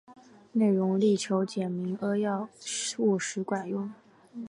内容力求简明扼要、务实管用